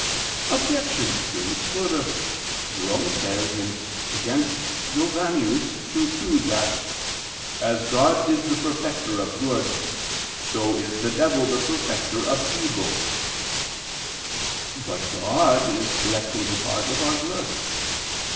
Obj. 2: Further, Jerome says (Contra Jovin. ii, 2) that "as God is the perfecter of good, so is the devil the perfecter of evil." But God is directly the cause of our good.